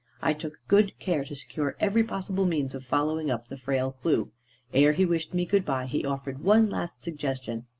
I took good care to secure every possible means of following up the frail clue. Ere he wished me good bye, he offered one last suggestion.